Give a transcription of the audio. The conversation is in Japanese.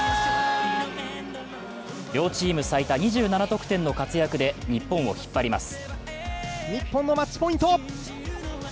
両チーム最多２７得点の活躍で日本を引っ張ります。